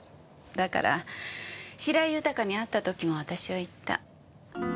だから白井豊に会った時も私は言った。